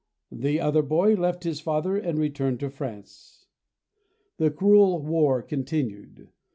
The other boy left his father and returned to France. The cruel war continued.